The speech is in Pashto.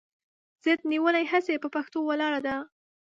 ضد نیولې هسې پهٔ پښتو ولاړه ده